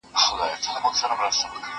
زه به اوږده موده موټر کار کړی وم؟!